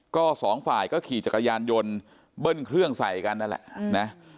ก็สองฝ่ายก็ขี่จักรยานยนต์เบิ้ลเครื่องใส่กัน